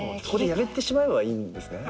やめてしまえばいいんですね。